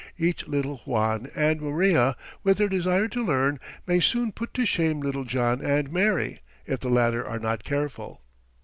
Each little Juan and Maria, with their desire to learn, may soon put to shame little John and Mary, if the latter are not careful.